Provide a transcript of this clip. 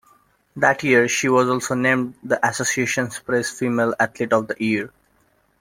That year she was also named the Associated Press Female Athlete of the Year.